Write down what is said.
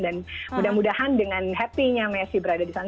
dan mudah mudahan dengan happy nya messi berada di sana